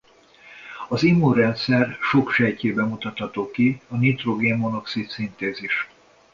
Az immunrendszer sok sejtjében mutatható ki nitrogén-monoxid-szintézis.